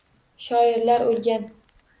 Shoirlar o’lgan.